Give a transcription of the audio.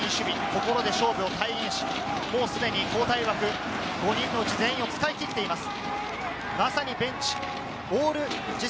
「心で勝負」を体現し、もうすでに交代枠、５人のうち全員を使い切っています。